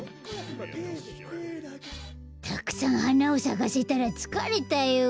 たくさんはなをさかせたらつかれたよ。